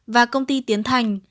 và công ty tiến thành